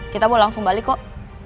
kita mau langsung balik kok